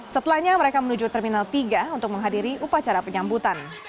setelahnya mereka menuju terminal tiga untuk menghadiri upacara penyambutan